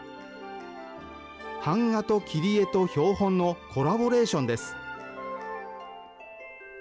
版画と切り絵と標本のコラボレーションです。